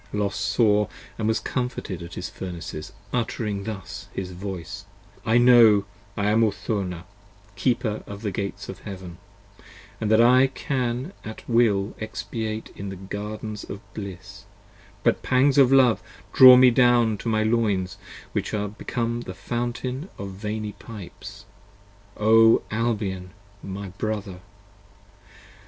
Los saw & was comforted at his Furnaces, uttering thus his voice. I know I am Urthona, keeper of the Gates of Heaven, So And that I can at will expatiate in the Gardens of bliss ; But pangs of love draw me down to my loins, which are 82 Become a fountain of veiny pipes: O Albion! my brother!